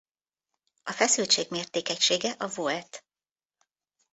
A feszültség mértékegysége a volt.